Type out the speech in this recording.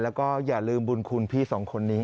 แล้วก็อย่าลืมบุญคุณพี่สองคนนี้